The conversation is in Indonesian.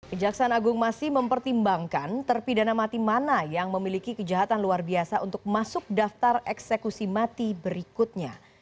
kejaksaan agung masih mempertimbangkan terpidana mati mana yang memiliki kejahatan luar biasa untuk masuk daftar eksekusi mati berikutnya